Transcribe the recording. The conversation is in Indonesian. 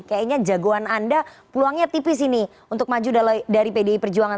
kayaknya jagoan anda peluangnya tipis ini untuk maju dari pdi perjuangan